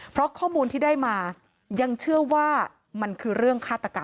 เพราะข้อมูลที่ได้มายังเชื่อว่ามันคือเรื่องฆาตกรรม